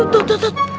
tuh tuh tuh